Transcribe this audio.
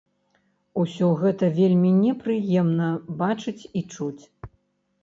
Усё гэта вельмі непрыемна бачыць і чуць.